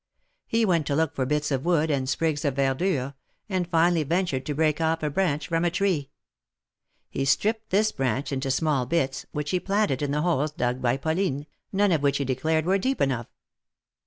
He went to look for bits of wood and sprigs of verdure, and finally ventured to break off a branch from a tree. He stripped this branch into small bits, which he planted in the holes dug by Pauline, none of which he declared were deep enough.